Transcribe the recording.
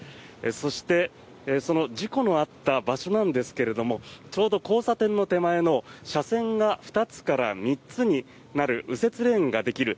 そしてその事故のあった場所なんですがちょうど交差点の手前の車線が２つから３つになる右折レーンができる